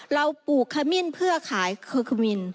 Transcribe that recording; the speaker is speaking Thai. ปลูกขมิ้นเพื่อขายเคอร์คุมิน